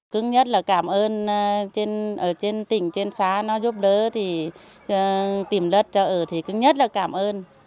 cứ nhất là cảm ơn ở trên tỉnh trên xã nó giúp đỡ thì tìm đất cho ở thì cứ nhất là cảm ơn